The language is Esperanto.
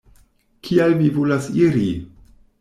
Kial vi volas iri?